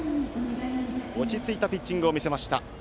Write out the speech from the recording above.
落ち着いたピッチングを見せました。